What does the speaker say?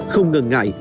không ngần ngại